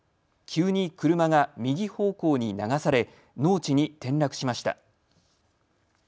急に車が右方向に流され農地に転落しました。